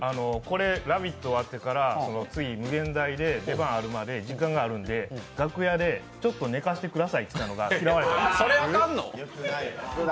「ラヴィット！」で次、∞ドームで出番があるまで時間があるので楽屋でちょっと寝かせてくださいって言ったのが、嫌われた。